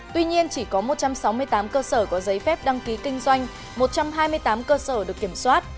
tuy nhiên chỉ có một trăm sáu mươi tám cơ sở có giấy phép đăng ký kinh doanh một trăm hai mươi tám cơ sở được kiểm soát